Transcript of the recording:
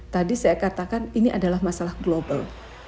tadi saya katakan ini adalah masalah global